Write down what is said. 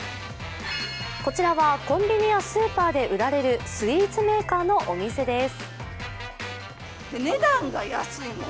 こちらはコンビニやスーパーで売られるスイーツメーカーのお店です。